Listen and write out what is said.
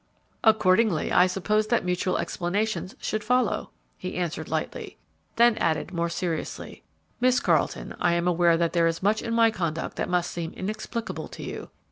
"Accordingly, I suppose that mutual explanations should follow," he answered, lightly. Then added, more seriously, "Miss Carleton, I am aware that there is much in my conduct that must seem inexplicable to you.